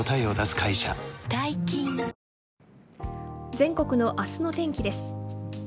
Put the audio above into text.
全国の明日の天気です。